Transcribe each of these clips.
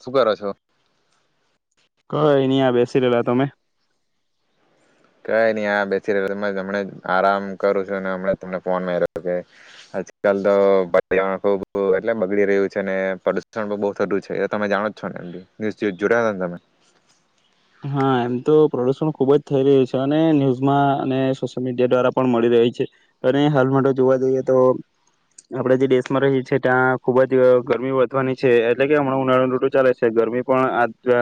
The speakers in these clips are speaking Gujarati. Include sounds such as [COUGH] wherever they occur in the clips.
શું કરો છો કઈ ની બેસી રાહેલા તમે કઈ નહી આ બેસી રહેલો અમને અમને આરામ કરું છું ને અમના તમને ફોન માર્યો આજકાલ તો વાતાવરણ ખુબ એટલે બગડી રહ્યું છે ને પ્રદુષણ પણ બહું થતું છે તમે જાણો જ છો ને એમ ન્યુઝ જોયલા ને તમે હા એમ તો પ્રદુષણ ખુબ જ થઈ રહ્યું છે અને ન્યૂઝમાં અને સોશિયલ મીડિયા દ્વારા પણ મળી રહી છે અને હાલ માટે જોવા જઈએ તો આપણે જે દેશમાં રહી ત્યાં ખૂબ જ ગરમી વધવાની છે એટલે કે હમણાં ઉનાળો ઋતુ ચાલ છે ગરમી પણ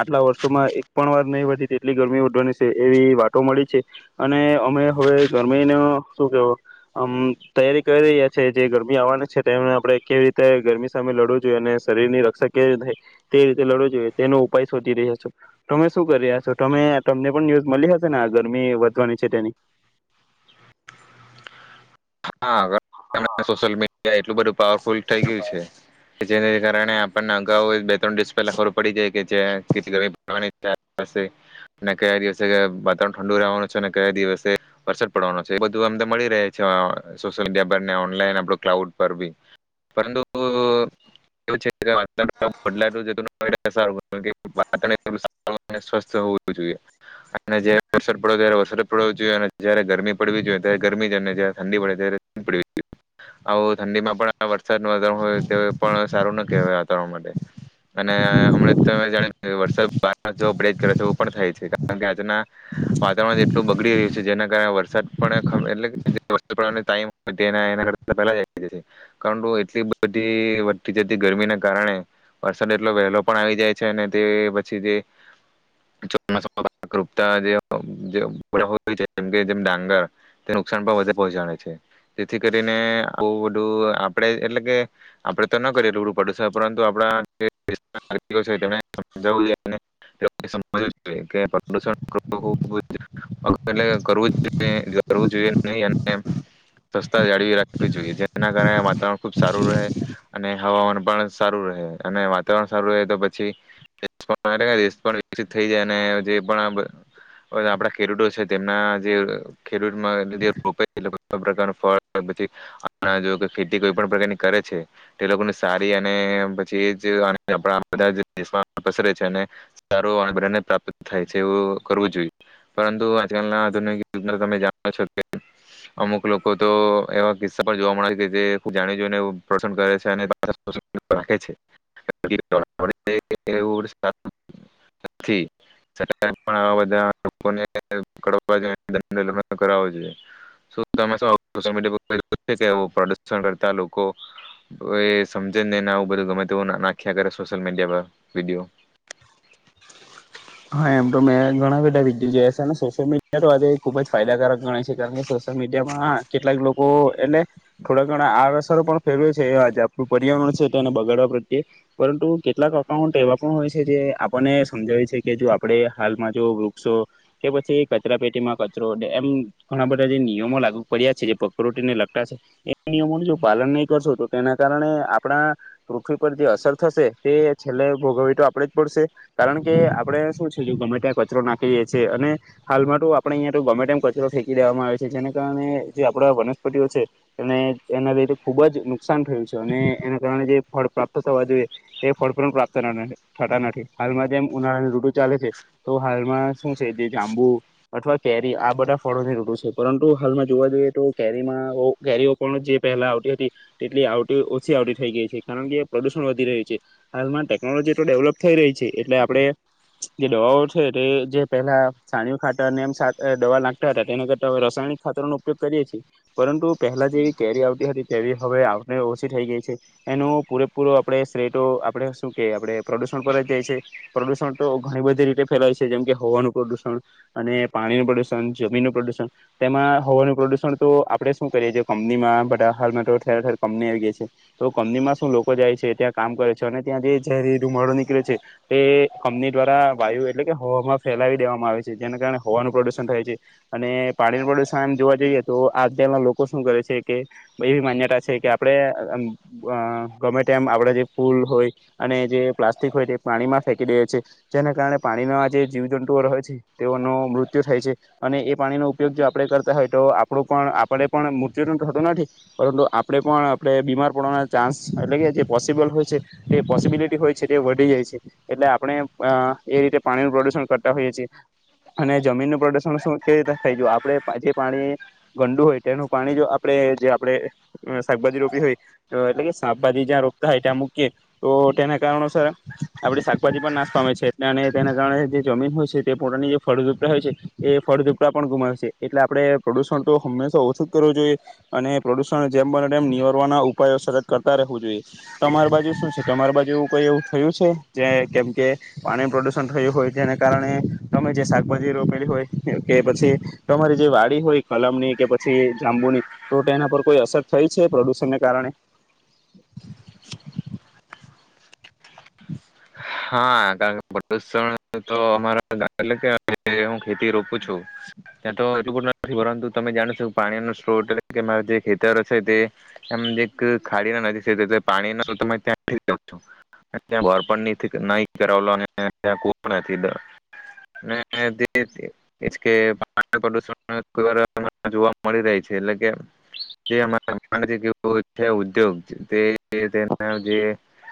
આટલા વર્ષોમાં એક પણ વાર નહીં વધી તેટલી ગરમી વધવાની છે એવી વાતો મળી છે અને અમે હવે ગરમીનો શું કેવો અમ તૈયારી કરી રહ્યા છે જે ગરમી આવવાની છે તેમને આપણે કેવી રીતે ગરમી સામે લડવું જોઈએ અને શરીરની રક્ષા કેવી રીતે થાય તે રીતે લડવું જોઈએ તેનો ઉપાય શોધી રહ્યા છે તમે શું કરી્યા છો તમે તમને પણ ન્યુઝ મળ્યા હશે ને આ ગરમી વધવાની છે તેની હા સોશિયલ મીડિયા એટલું બધું પાવરફુલ થઈ ગયું છે કે જેને લીધે તને આપણને અગાઉ [UNINTELLIGIBLE] ખબર પડી જાય કે [UNINTELLIGIBLE] કયા દિવસે વાતાવરણ ઠંડુ રહેવાનું છે ને કયા દિવસે વરસાદ પડવાનો છે એ બધું અમ મળી રહે છે સોશિયલ મીડિયા પર અને ઓનલાઇન આપડા ક્લાઉડ પર બી પરંતુ [UNINTELLIGIBLE] બદલતુ જતું [INAUDIBLE] વાતવરણ સ્વસ્થ હોવું જોઈએ, અને જ્યારે વરસાદ પડે ત્યારે વરસાદ જ પડવો જોઈએ, અને જયારે ગરમી પડવી જોઈએ ત્યારે ગરમી જ અને જયારે ઠંડી પડે ત્યારે ઠંડી પડવી આવું ઠંડીમાં પણ વરસાદ ન હોય તો તે પણ સારું ન કહેવાય વાતાવરણ માટે. અને હમણાં તો જાણે કે વરસાદ પાછો બ્રેક કરે છે એવુ પણ થાય છે કારણ કે આજના વાતાવરણ જ એટલું બગડી રહ્યું છે જેના કારણે વરસાદ પણ એટલે પા ખરાબ એટલે કે જે વરસાદ પડવાનો ટાઈમ તેના એનાકરતા પેલા જ આઈ જાય છે. પણ બહુ એટલી બધી વધતી જતી ગરમીના કારણે વરસાદ એટલો વહેલો પણ આવી જાય છે અને તે પછી જે ચોમાસમા પાક ઊગતા [UNINTELLIGIBLE] જેમ કે જેમ ડાંગર તે નુકસાન પણ વધુ પહોંચાડે છે. જેથી કરીને આવુ બઢૂં આપણે એટલે કે, આપડે તો ન કરીએ થોડું પ્રદુસણ પરંતુ આપઈ [UNINTELLIGIBLE] કરવું જોઈએ નહીં સ્વસ્તા જાળવી રાખવી જોઈએ, જેના કારણે વાતાવરણ ખુબ સારું રહે અને હવામાન પણ સારું રહે. અને વાતાવરણ સારું રહે તો પછી [UNINTELLIGIBLE] દેશ પણ વિકસિત થઈ જાય અને જે પણ આપણા ખેડૂટો છે તેમના જે ખેડૂટ્ [UNINTELLIGIBLE] રો પ્રકાર પણ જો પછી, જો ખેતી કોઈ પણ પ્રકારની કરે છે, તે લોકોને સારી અને પછી જ [UNINTELLIGIBLE] બધા દેશ પસરે છે અને સારું અન્ન બધાને પ્રાપ્ત થાય છે એવું કરવું જોઈએ. પરંતુ આજકાલના આધુનિક યુગને તો તમે જાણો છો કે અમુક લોકો કો તો એવા કિસ્સા પણ જોવા મળે છે કે જે જાણી જોઈ એવું પસંદ કરે છે અને [UNINTELLIGIBLE] રહે છે [UNINTELLIGIBLE] થી [UNINTELLIGIBLE] સુ તમે સુ સોશિયલ મીડિયા પર એ આવું પડુંસન કરતા લોકો, હવે એ સમજે નહીં ને આવું બધું ગમે તેવું ના, નાખ્યા કરે સોશિયલ મીડિયા પર વિડીયો. હા એમ ટો મેં ઘણા બધા વિડિયો જોયા છેને સોશિયલ મીડિયા તો આજે ખુબ જ ફાયદાકારક ગણાય છે, કારણ કે સોશિયલ મીડિયામાં કેટલાક લોકો એટલે, થોડા ઘણા આડ અસર પણ ફેરવે છે, એ હાચા, પણ પર્યાવરણ છે તેને બગાડવા પ્રત્યે. પરંતુ કેટલાક અકાઉન્ટ એવા પણ હોય છે જે આપણને સમજાવે છે કે જો આપણે હાલમા જો વૃક્ષો, કે પછી કચરા પેટીમાં કચરો, એમ ઘણા બધા જે નિયમો લાગુ પડ્યા છે જે પકરોટીને લગતા છે એ નિયમોનું જો પાલન નહીં કરશો, તો તેના કારણે આપણા પૃથ્વી પર જે અસર થશે, તે છેલ્લે ભોગવવી તો આપણે જ પડશે કારણ કે આપણે શ છે ગમે ત્યાં કચરો નાખીએ છીએ અને હાલમાં તો આપણે અહીંયા તો ગમે તેમમ કચરો ફેંકી દેવામાં આવે છે જેના કારણે જે આપડા વનસ્પતિઓ છે એને એના લીધે ખુબ જ નુકસાન થયું છે અને એના કારણે જે ફળ પ્રાપ્ત થવા જોઈએ તે ફળ પણ પ્રાપ્ત થતા નથી હાલમાં જેમ ઉનાળાની ચાલે છે તો હાલમાં શું છે જે જાંબુ અથવા કેરી આ બધા ફળોની ઋટુ છે પરંતુ હાલમાં જોવા જઈએ તો કેરીમાં રોગ, કેરીઓ પણ જે પહેલા આવતી હતી તેટલી આવટી, ઓછી આવટી થઈ ગઈ છે કારણ કે પડુસણ વધી રહ્યું છે. હાલમાં ટેકનોલોજી તો ડેવલપ થઈ રહી છે એટલે આપણે જે દવાઓ છે તે જે પહેલા છાણીયું ખાતરને એમ સા ડવા નાખતા હતા, તેના કરતા હવે રસાયણિક ખાતરનો ઉપયોગ કરીએ છીએ, પરંતુ પહેલા જેવી કેરી આવતી હતી તેવી હવે આવને ઓછી થઈ ગઈ છે. એનો પૂરેપૂરો આપણે શ્રેય ટો, આપણે સુ કે, આપણે પ્રદુષણ પર જ જાય છે. પ્રદુષણ તો ઘણી બધી રીતે ફેલાય છે જેમ કે હવાનું પ્રડૂસન અને પાણીનું પ્રડૂસન, જમીનનું પ્રડૂસન. તેમાં હવાનું પ્રડૂસન તો આપણેે શું કરીએ, જે કંપનીમાં, બધા હાલ તો ઠેર ઠેર કંપની આવી ગઈ છે. તો કંપનીમાં શું લોકો જાય છે ત્યાં કામ કરે છ, અને ત્યાં જે ઝેરી રુમાડો નીકળે છે તે કંપની દ્વારા વાયુ એટલે કે હવામાં ફેલાવી દેવામાં આવે છે. જેના કારણે હવાનું પ્રડૂસન થાય છે. અને પાણીનું પ્રડૂસન આમ જોવા જઈએ ને તો, આજકાલના લોકો શું કરે છે કે, એવી માન્યતા છે કે આપણે અ ગમે તેમ આપણા જે ફૂલ હોય, અને જે પ્લાસ્ટિક હોય, તે પાણીમાં ફેંકી દઈએ જેના કારણે પાણીનો આ જે જીવજંતુઓ રહે છે, તેઓનો મૃત્યુ થાય છે. અને એ પાણીનો ઉપયોગ જો આપણે કરતા હોય તો આપણું પણ, આપણે પણ મુત્યુ તું થતું નથી પરંતુ આપણે પણ આપણે બીમાર પડવાના ચાન્સ, એટલે કે જે પોસિબલ હોય છે તે પોસિબિલિટી હોય છે તે વધી જાય છે એટલે આ પણ એ રીતે પાણીનું પ્રડૂસન કરતા હોઈએ છીએ અને જમીનનું પ્રડૂસનનું સુ? કેવી રીતે થઈ? જો આપણે જે પાણી ગંડું હોય, તેનું પાણી જો આપણે, જે આપણે સાકભાજી રોપી હોય, એટલે કે સાકભાજી જ્યાં રોપતા હોય ત્યાં મૂકીએ તો તેના કારણોસર આપણે સાક ભાજી પણ નાશ પામે છે એટલે અને તેના કારણે જે જમીન હોય છે તે પોટાની જે ફળદુપતા હોય છે એ ફળદુપતા પણ ગુમાવે સે એટલે આપણે પ્રડૂસન તો હંમેશા ઓછું જ કરવું જોઈએ અને પ્રડૂસન જેમ બને તેમ નિવારવાના ઉપાયો સતત કરતા રહેવું જોઈએ. તમારી બાજુ શું છે? તમારી બાજુ કઈ એવું થયું છે? જે કેમ કે પાણી પ્રડૂસન થયું હોય જેને કારણે તમે જે સાકભાજી રોપેલી હોય કે પછી તમારી જે વાડી હોય કલમ ની કે પછી જાંબુની તો ટેના પર કોઈ અસર થઈ છે પ્રડૂસનને કારણે? હા, કારણ પડુસણ તો અમારા ગા, એટલે કે હું ખેતી રોપું છું, ત્યાં તો, એટલુબધુ નથી. પરંતુ તમે જાણો છો પાણીનો સ્ત્રોત કે જે ખેતરો છે, તે એમ એક ખાડી નદી છે, પાણી તમે ત્યા [UNINTELLIGIBLE] છો ત્યા બોર પણ ની નહીં કરવલો ને તાં કુવો પણ નથી જોવા ને [INAUDIBLE] જે એજ કે પાણી નું પડુસણ કોઈવાર જોવા મળી રહે છે એટલે કે [UNINTELLIGIBLE] ઉદ્યોગ [UNINTELLIGIBLE] તે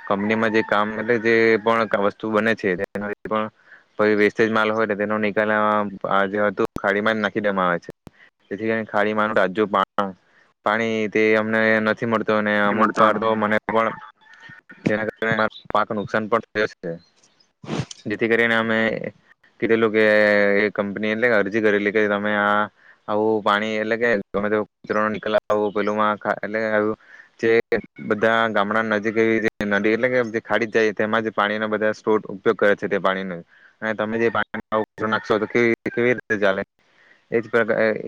કંપનીમાં જે કામ મળે તે વસ્તુ બને છે, જેના [UNINTELLIGIBLE] પણ વેસ્ટેજ માલ હોયને તેનો નિકાલ આ જે હતું, ખાડીમાં જ નાખી દેવામાં આવે છે. જેથીને ખાડીમાંનું તાજુ પાણીથી તે અમને નથી મળતું ને નથી અમુક મળતા વાર તો મને પણ જેના કારણે, [UNINTELLIGIBLE] પાકનું નુકસાન પણ જેથી કરીને અમે કીધેલું કે એ કંપની, એટલે અરજી કરેલી કે તમે આ આવું પાણી એટલે કે ગમે તેવા કચરા નો નિકાલ લાવો, પેલુ માં ખારું છે એટલેજે બધા ગામડા નજીક એવી નદી એટલે કે જે ખાડી જ જાય તેમાં જ પાણીના બધા સ્ટ્રોત ઉપયોગ કરે છે તે પાણીનો ના તમે જે પાણી ના ઉ નાખશો તો કેવી રીતે, કેવી રીતે ચાલે? એજ પ્ર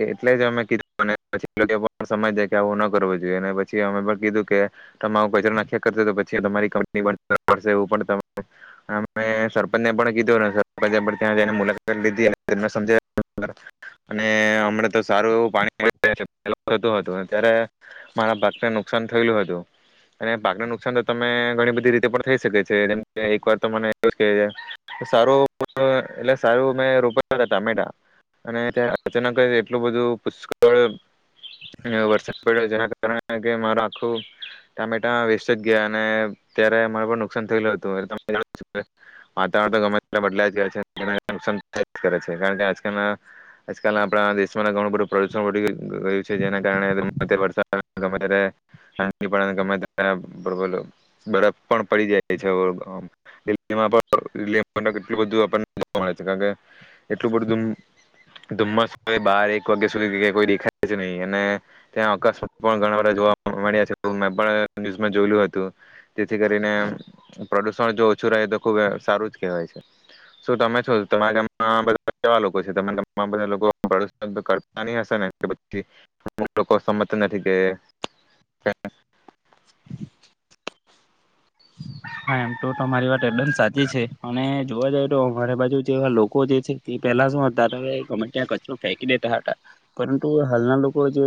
એટલે જ અમે કીધું પછી સમજ દે કે આવું ન કરવું જોઈએ અને પછી અમે પણ કીધું કે તમ આવું કચરો નાખ્યા કરશે તો પછી તમારી કંપની પણ પડશે એ પણ અ મેં સરપંને પણ કીધું, સરપંચે પણ ત્યાં જઈને મુલાકાત લીધી અને એમ ના સમજે [UNINTELLIGIBLE] અને હમડા તો સારું પાણી મળે [UNINTELLIGIBLE] થતું હતું ત્યારે મારા પાકને નુકસાન થયેલું હતું અને પાકને નુકસાન તો તમે ઘણી બધી રીતે પણ થઈ શકે છે અને એક વાર તો મને કીધું કે સારું [UNINTELLIGIBLE] એટલે સારું મેં રોપ હતા ટામેટા અને ત્યા અચાનક જ એક એટલું બધું પુષ્કળ અને વરસાદ પડ્યો જરાક કારણ કે માર આખું ટામેટા વેસ્ટ જ ગયા અને ત્યારે મારે પણ નુકસાન થયેલું હતું [UNINTELLIGIBLE] તમે જાણો જ છો કે વાતાવરણ તો ગમે ત્યારે બદલાઈ જ કરે છે અને [UNINTELLIGIBLE] નુકસાન થાય જ કરે છે. કારણ કે આજકાલના, આજકાલના આપણા દેશ ઘણું બધું પ્રડુસન વઢી ગયું છે જેના કારણે ગમે ત્યારે વરસાદ, ગમે ત્યારે ઠંડી, ગમે ત્યારે બબ બરફ પણ પડી જાય છે. બરોબર, હમ, દિલ્લીમાં પણ [UNINTELLIGIBLE] કેટલું બધું આપણને જોવા મળે છે કાંકે, એટલું બધું ધૂમ, ધુમ્મસ કે બાર એક વાગ્યા સુધી, [UNINTELLIGIBLE] કોઈ દેખાય જ નહી અને ત્યા અકસ્માત ઘણા બધા જોવા મળે છે, [UNINTELLIGIBLE] જો મે પણ ન્યૂઝ માં જોયેલું હતું જોથી કરીને પ્રદુષણ જો ઓછું રહે તો ખુબ સારું જ કહેવાય છે. શું તમે છો તમારા ગામમાં કેવા લોકો છે તમારા ગામમાં બધા લોકો પ્રદુષણ કરતા ન હશે ને કે પી અમુક લોકો સમજ નથી કે? [INAUDIBLE] હા એમ ટો ટમારી વાટ એક્ડમ સાચી છે અને જોવા જઈએ તો, અમારી બાજુ જેવા લોકો જે છે તે પેલા શું હતા ગમે ત્યાં કચરો ફેંકી દેટા હટા પરંટુ હાલના લોકો જે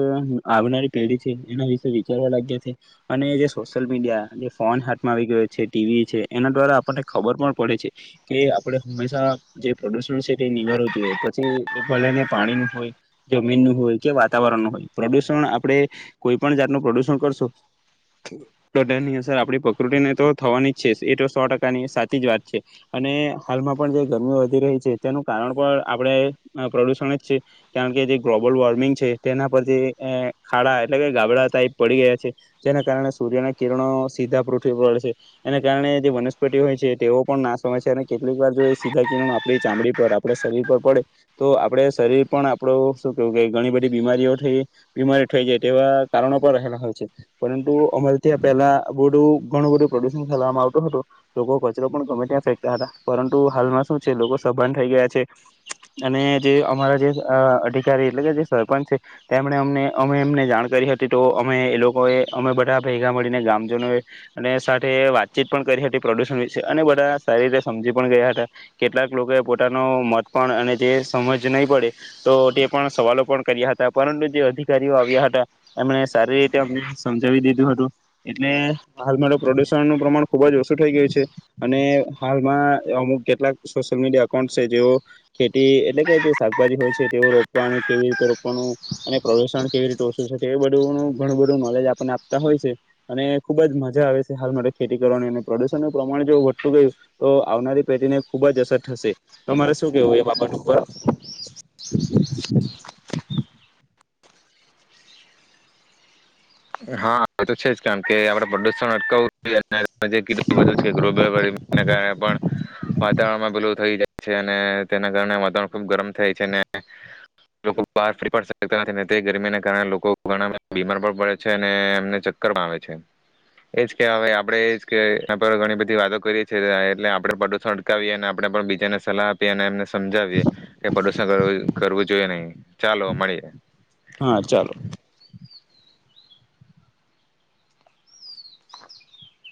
આવનારી પેઢી છે એના વિશે વિચારવા લાગ્યા છે. અને જે સોસયલ મીડિયા, જે ફોન હાથમાં આવી ગયો છે છે ટીવી છે, એના દ્વારા આપણને ખબર પણ પડે છે, કે આપણે હંમેસા જે પ્રડુસણ છે તે નિવારવું જોઈએ, પછી એ ભલે ને પાણીનું હોય, જમીનનું હોય, કે વાતાવરણનું હોય. પ્રડુસણ, આપણે કોઈ પણ જાતનું પ્રડુસણ કરસુ તો તેની અસર આપણી પ્રકૃટીને તો થવાની જ છે એ તો સો ટકાની સાચી જ વાત છે અને હાલમાં પણ જે ગરમીઓ વધી રહી છે તેનું કારણ પણ આપણે પ્રડુસણ જ છે કારણ કે જે ગ્લોબલ વોર્મિંગ છે તેના પર જે ખાડા એટલે કે ગાબડા ટાઈપ પડી ગયા છે જેના કારણે સૂર્યનાં કિરણો સીધા પૃથ્વી પડે છે. એને કારણે જે વનસ્પટી હોય છે, ટેઓ પણ નાસ પામે છે અને કેટલીક વાર જો એ સીધા કિરણ આપણી ચામડી પર, આપણા સરીર પર પડે તો આપડા સરીર પણ, આપડું શું કેવું, કે ઘણી બધી બીમારીઓ થ, બીમારી ઠઈ જાય તેવા કારણો પર રહેહેલા હોય છે પરંતુ અમારે ત્યાં પહેલા બધું ઘણું બધું પ્રડુસણ કરવામાં આવતું હતું, લોકો કચરો પણ ગમે ત્યાં ફેંકતા હતા. પરંતુ હાલમાં શું છે, લોકો સભાન થઈ ગયા છે, અને જે અમારા જે અ અધિકારી એટલે કે જે સરપંચ છે, તેમણે અમને, અમને એમને જાણ કરી હતી, તો અમે, એ લોકોએ, અમે બધા ભેગા મળીને, ગામજનોએ અને સાથે વાતચીત પણ કરી હતી પ્રડુસણ વિસે, અને બધા સારી રીતે સમજી પણ ગયા હતા. કેટલાક લોકોએ પોતાનો મત પણ, અને જે સમજ નહીં પડી, તો તે પણ સવાલો પણ કર્યા હતા. પરંતુ જે અધિકારીઓ આવ્યા હતા એમણે સારી રીતે અમને સમજાવી દીધું હતું. એટલે હાલમાં ટો પ્રડુસણનું પ્રમાણ ખુબ જ ઓછું ઠઈ ગયું છે. અને હાલમાં અમુક કેટલાક સોશિયલ મીડિયા એકાઉન્ટસ છે જેઓ ખેટી એટલે કે જે સાકભાજી હોય છે તેઓ રોપવાનું, કેવી રીતે રોપવાનું, અને પ્રડુસણ કેવી રીતે ઓછું છે, તેવુ બધુંનું ઘણું બધું નોલેજ આપણને આપતા હોય છે અને ખુબ જ મજા આવે છે. હાલ માટે ખેતી કરવાની અને પ્રડુસણનું પ્રમાણે જો વધતું ગયું તો આવનારી પેઢી ને ખુબ જ અસર થસે, ટમારે શું કેવું એ બાબટ ઉપર? હા, એ તો છે જ. કારણ કે આપડે પ્રડુસણ અટકાવવું જ જોઇએ આજે [UNINTELLIGIBLE] કેટલુ બધું છે, ગ્લોબલ વોર્મિંગને કારણે પણ વાતાવરણમાં ભેલું થઈ જાય છે અને તેના કારણે વાતાવરણ ખુબ ગરમ થાય છે ને લોકો બહાર ફકતા નથી તે ગરમીને કારણે લોકો ઘણા બીમાર પણ પડે છે અને એમને ચક્કર માં આવે છે એજ કે હવે આપણેે એજ કે એ ઘણી બધી વાતો કરીએ છીએ એટલે આપણે પ્રદુષણ અટકાવીએ અને આપણે પણ બીજાને સલાહ આપીએ અને એમને સમજાવીએ કે પ્રદુષણ કરવું જોઈએ નહી ચાલો મળીએ હા ચાલો [INAUDIBLE]